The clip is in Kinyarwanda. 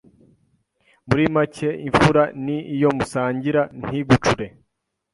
Muri make, imfura ni iyo musangira ntigucure,